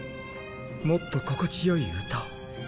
もっと心地よい歌を。